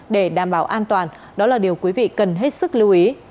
để đảm bảo an toàn đó là điều quý vị cần hết sức lưu ý